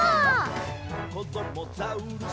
「こどもザウルス